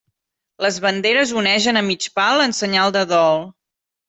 Les banderes onegen a mig pal en senyal de dol.